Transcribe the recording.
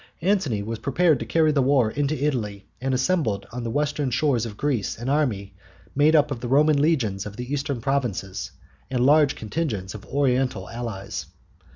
Antony was preparing to carry the war into Italy, and assembled on the western shores of Greece an army made up of the Roman legions of the eastern provinces and large contingents of Oriental allies.